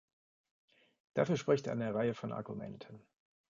Dafür spricht eine Reihe von Argumenten.